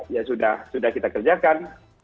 ya sudah kita kerjakan